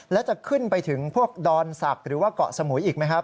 แล้วจะขึ้นไปถึงพวกดอนศักดิ์หรือว่าเกาะสมุยอีกไหมครับ